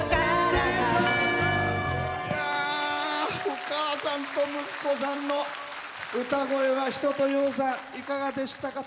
お母さんと息子さんの歌声は一青窈さん、いかがでしたか？